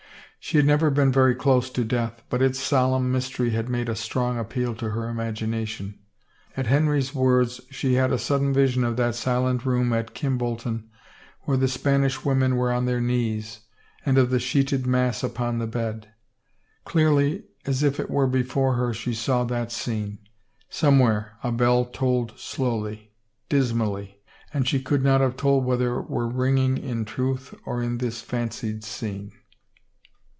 She had never been very close to death, but its solemn mystery had made a strong appeal to her imagination. At Henry's words she had a sudden vision of that silent room at Kimbolton where the Span ish women were on their knees, and of the sheeted mass upon the bed. Clearly as if it were before her she saw that scene. Somewhere a bell tolled slowly, dismally, and she could not have told whether it were ringing in truth or in this fancied scene.